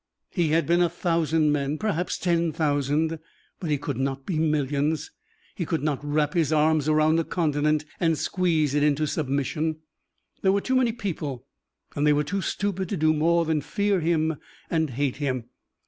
He had been a thousand men, perhaps ten thousand, but he could not be millions. He could not wrap his arms around a continent and squeeze it into submission. There were too many people and they were too stupid to do more than fear him and hate him.